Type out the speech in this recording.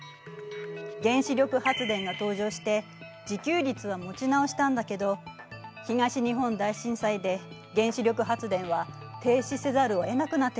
原子力発電が登場して自給率は持ち直したんだけど東日本大震災で原子力発電は停止せざるをえなくなってしまったの。